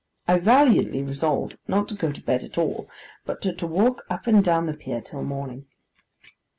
I valiantly resolve not to go to bed at all, but to walk up and down the pier till morning.